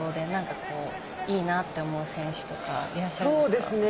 そうですか。